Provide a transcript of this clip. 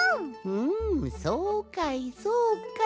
ふんそうかいそうかい。